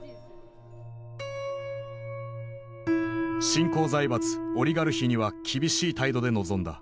新興財閥オリガルヒには厳しい態度で臨んだ。